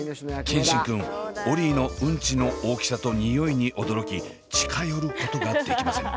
健新くんオリィのうんちの大きさと臭いに驚き近寄ることができません。